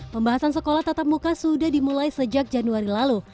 pembahasan sekolah tatap muka sudah dimulai sejak januari lalu